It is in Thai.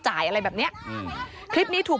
จ่ายอะไรแบบนี้คลิปนี้ถูก